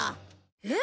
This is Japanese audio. えっ？